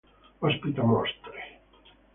Ospita mostre.